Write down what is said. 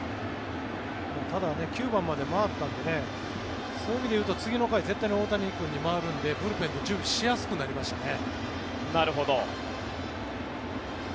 ただ、９番まで回ったのでそういう意味で言うと次の回絶対に大谷君に回るのでブルペンで準備しやすくなりましたね。